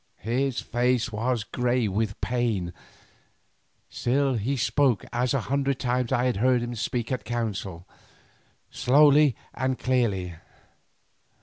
His face was grey with pain, still he spoke as a hundred times I had heard him speak at council, slowly and clearly.